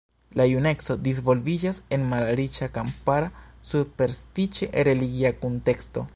La juneco disvolviĝas en malriĉa, kampara superstiĉe religia kunteksto.